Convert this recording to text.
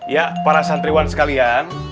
ya para santriwan sekalian